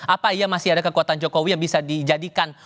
apa iya masih ada kekuatan jokowi yang bisa dijadikan